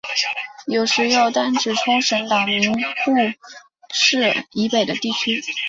有时又单指冲绳岛名护市以北的地域。